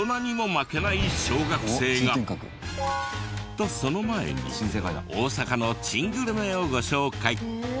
とその前に大阪の珍グルメをご紹介。